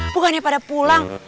bukannya pada pulang